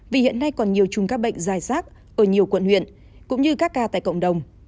vì hiện nay còn nhiều chùm các bệnh dài rác ở nhiều quận huyện cũng như các ca tại cộng đồng